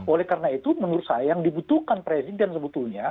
oleh karena itu menurut saya yang dibutuhkan presiden sebetulnya